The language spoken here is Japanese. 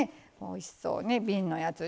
おいしそうね瓶のやつ。